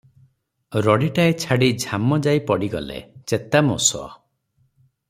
ରଡ଼ିଟାଏ ଛାଡ଼ି ଝାମ ଯାଇ ପଡ଼ି ଗଲେ, ଚେତା ମୋଷ ।